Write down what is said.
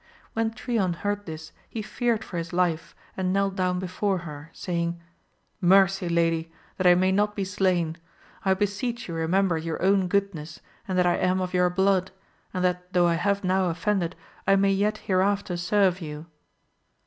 When Trion heard this he feared for his life, and knelt down before her, saying, Mercy lady ! that I may hot be slain ! I beseech you remember your own goodness, and that I am of your blood, and that though I have now offended 1 may yet hereafter serve you.